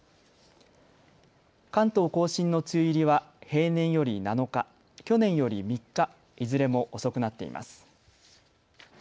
関東甲信の梅雨入りは平年より７日、去年より３日、いずれも遅くなっています。